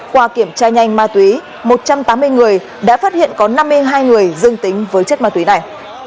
qua kiểm tra nhanh ma túy một trăm tám mươi người đã phát hiện có năm mươi hai người dương tính với chất ma túy này